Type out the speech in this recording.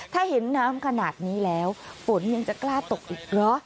ถ้าเห็นน้ำขนาดนี้แล้วฝนยังจะกล้าตกอีกเหรอ